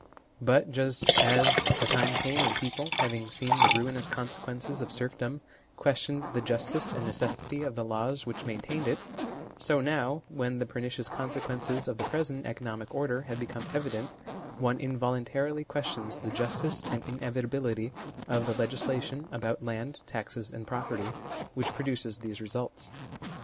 But just as a time came when people, having seen the ruinous consequences of serfdom, questioned the justice and necessity of the laws which main tained it, so now, when the pernicious conse quences of the present economic order have become evident, one involuntarily questions the justice and inevitability of the legislation about land, taxes, and property, which produces these results.